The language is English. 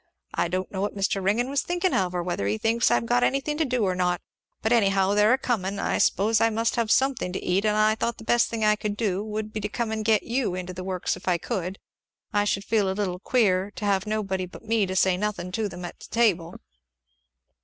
I don't know what Mr. Ringgan was thinkin' of, or whether he thinks I have got anything to do or not; but anyhow they're a comin', I s'pose, and must have something to eat; and I thought the best thing I could do would be to come and get you into the works, if I could. I should feel a little queer to have nobody but me to say nothin' to them at the table."